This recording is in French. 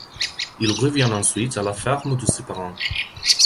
Il revient ensuite à la ferme de ses parents.